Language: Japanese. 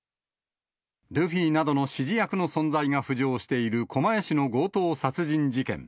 ルフィなどの指示役の存在が浮上している狛江市の強盗殺人事件。